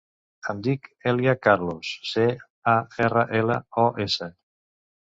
Em dic Èlia Carlos: ce, a, erra, ela, o, essa.